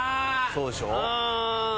そうでしょ？